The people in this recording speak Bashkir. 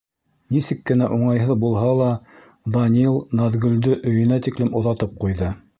Нисек кенә уңайһыҙ булһа ла, Данил Наҙгөлдө өйөнә тиклем оҙатып ҡуйҙы.